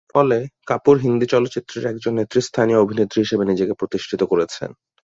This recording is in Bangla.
ফলে, কাপুর হিন্দি চলচ্চিত্রের একজন নেতৃস্থানীয় অভিনেত্রী হিসেবে নিজেকে প্রতিষ্ঠিত করেছেন।